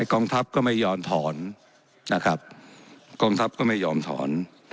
กองทัพก็ไม่ยอมถอนนะครับกองทัพก็ไม่ยอมถอน